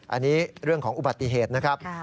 อันนี้เรื่องของอุบัติเหตุนะครับ